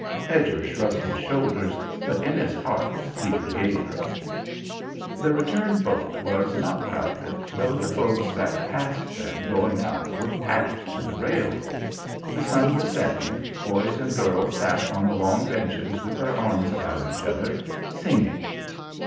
Hedger shrugged his shoulders, but in his heart he forgave her. The return boat was not crowded, though the boats that passed them, going out, were packed to the rails. The sun was setting. Boys and girls sat on the long benches with their arms about each other, singing.